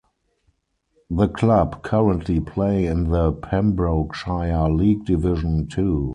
The club currently play in the Pembrokeshire League Division Two.